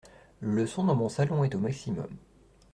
Le son dans mon salon est au maximum.